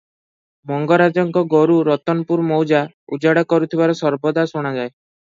ମଙ୍ଗରାଜଙ୍କ ଗୋରୁ ରତନପୁର ମୌଜା ଉଜାଡ଼ କରୁଥିବାର ସର୍ବଦା ଶୁଣାଯାଏ ।